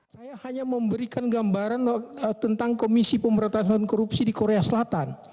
saya hanya memberikan gambaran tentang komisi pemberantasan korupsi di korea selatan